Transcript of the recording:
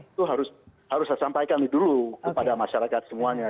itu harus saya sampaikan dulu kepada masyarakat semuanya